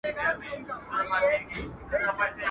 o گوز په ټوخي نه تېرېږي.